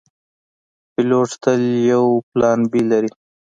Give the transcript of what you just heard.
پیلوټ تل یو پلان “B” لري.